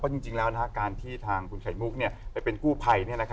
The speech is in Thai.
เพราะจริงแล้วนะครับการที่ทางคุณไข่มุกไปเป็นกู้ภัย